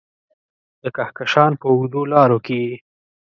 د کهکشان په اوږدو لارو کې یې